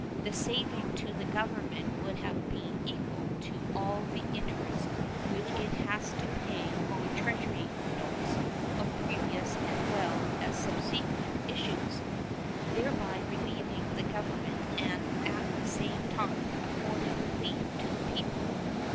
The saving to the Government would have been equal to all the interest which it has had to pay on Treasury notes of previous as well as subsequent issues, thereby relieving the Government and at the same time affording relief to the people.